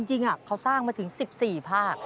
จริงเขาสร้างมาถึง๑๔ภาค